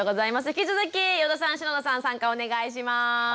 引き続き余座さん篠田さん参加お願いします。